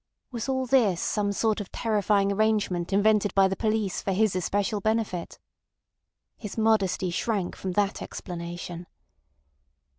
Was all this a some sort of terrifying arrangement invented by the police for his especial benefit? His modesty shrank from that explanation.